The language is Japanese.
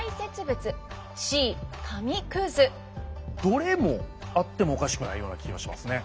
どれもあってもおかしくないような気がしますね。